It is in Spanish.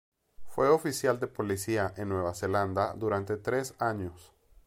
Fue oficial de policía en Nueva Zelanda durante tres años.